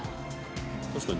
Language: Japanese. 「確かに。